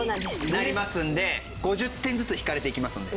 なりますんで５０点ずつ引かれていきますので。